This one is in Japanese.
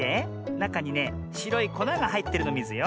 なかにねしろいこながはいってるのミズよ。